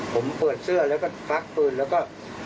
ผมเปิดเสื้อแล้วก็ฟักปืนแล้วก็